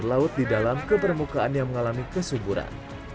belum diketahui penyebab fenomena ini namun diduga terjadinya proses penyelamatan